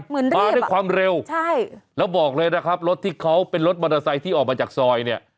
มาด้วยความเร็วใช่แล้วบอกเลยนะครับรถที่เขาเป็นรถมอเตอร์ไซค์ที่ออกมาจากซอยเนี่ย